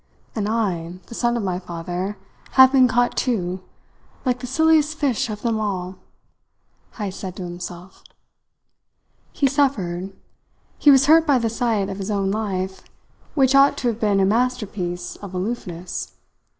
"And I, the son of my father, have been caught too, like the silliest fish of them all." Heyst said to himself. He suffered. He was hurt by the sight of his own life, which ought to have been a masterpiece of aloofness.